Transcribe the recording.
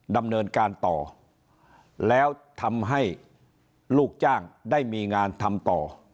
ดำเนินการต่อแล้วทำให้ลูกจ้างได้มีงานทำต่อ